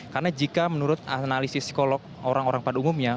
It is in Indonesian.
karena jika menurut analisis psikolog orang orang pada umumnya